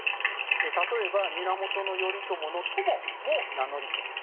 例えば源頼朝の朝も名乗り訓です。